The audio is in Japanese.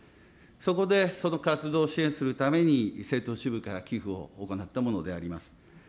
そこでその活動を支援するために政党支部から寄付を行ったものであります。